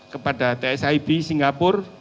kepada tsib singapur